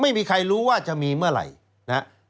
ไม่มีใครรู้ว่าจะมีเมื่อไหร่นะครับ